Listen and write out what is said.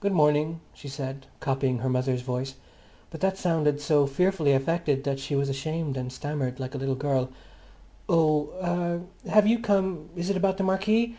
"Good morning," she said, copying her mother's voice. But that sounded so fearfully affected that she was ashamed, and stammered like a little girl, "Oh—er—have you come—is it about the marquee?"